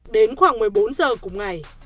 đến khoảng một mươi bốn h cùng ngày